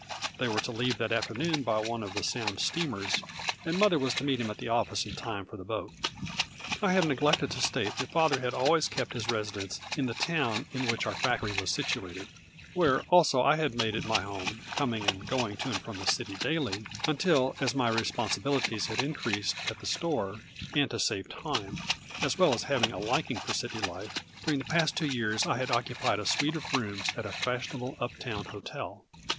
They were to leave that afternoon by one of the Sound steamers, and mother was to meet him at the office in time for the boat. I have neglected to state that father had ah ways kept his residence in the town in which our factory was situated, where also I had made it my home, coming and going to and from the city daily, until, as my responsibilities had in creased at the store, and to save time, as well as having a liking for city life, during the past two years I had occupied a suite of rooms at a fashionable up town hotel.